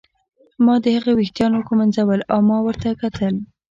ما د هغې ویښتان ږمونځول او ما ورته کتل.